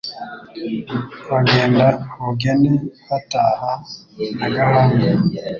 Bagenda Bugene bataha Nyagahanga